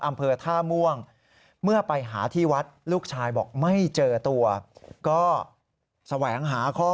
อำเภอท่าม่วง